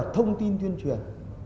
thông tin tuyên truyền